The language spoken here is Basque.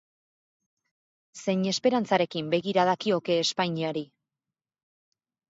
Zein esperantzarekin begira dakioke Espainiari?